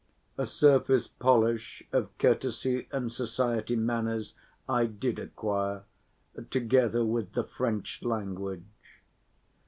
A surface polish of courtesy and society manners I did acquire together with the French language.